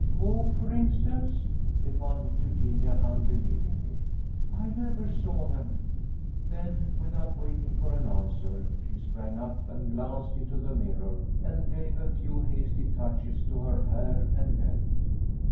"Who, for instance?" demanded Eugenia, unbe lievingly. * I never saw them." Then, without waiting for an answer, she sprang up and glanced EUGENIA JOINS THE SEARCH. 1 1 1 into the mirror, and gave a few hasty touches to her hair and belt.